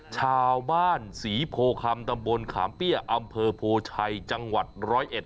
ชาวบ้านศรีโพคำตำบลขามเปี้ยอำเภอโพชัยจังหวัดร้อยเอ็ด